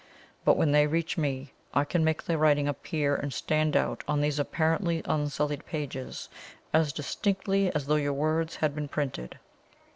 But when they reach me, I can make the writing appear and stand out on these apparently unsullied pages as distinctly as though your words had been printed.